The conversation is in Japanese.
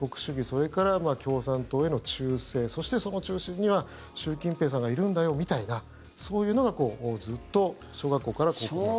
それから共産党への忠誠そして、その中心には習近平さんがいるんだよみたいなそういうのがずっと小学校から高校へ。